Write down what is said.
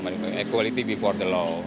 sama di muka hukum equality before the law